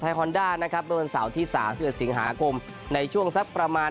ไทยคอนด้านะครับโดนเสาที่สามเสื้อสิงหากลมในช่วงสักประมาณ